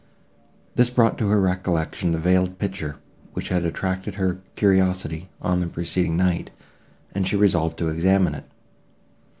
This brought to her recollection the veiled picture, which had attracted her curiosity, on the preceding night, and she resolved to examine it.